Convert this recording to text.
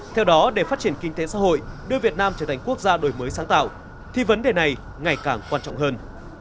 theo đó để phát triển kinh tế xã hội đưa việt nam trở thành quốc gia đổi mới sáng tạo thì vấn đề này ngày càng quan trọng hơn